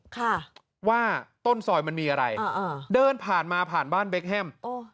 ค่ะว่าต้นซอยมันมีอะไรอ่าเดินผ่านมาผ่านบ้านเบคแฮมโอ้